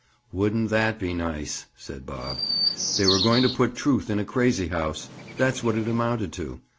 "Wouldn't that be nice?" said Bob. They were going to put truth in a crazy house. That's what it amounted to.